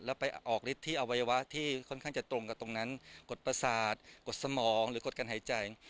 แล้วไปออกฤทธิอวัยวะที่ค่อนข้างจะตรงกับตรงนั้นกดประสาทกดสมองหรือกดกันหายใจ